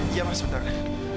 iya ma saudara